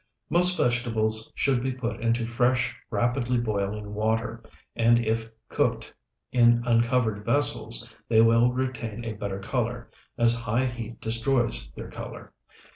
Most vegetables should be put into fresh, rapidly boiling water, and if cooked in uncovered vessels, they will retain a better color, as high heat destroys their color.